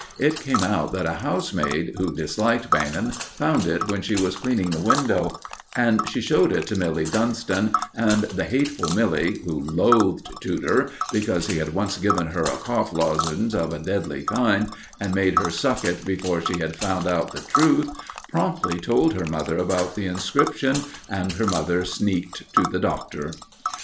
It came out that a housemaid, who disliked Beynon, found it when she was cleaning the window, and she showed it to Milly Dunston, and the hateful Milly, who loathed Tudor, because he had once given her a cough lozenge of a deadly kind, and made her suck it before she had found out the truth, promptly told her mother about the inscription, and her mother sneaked to the Doctor.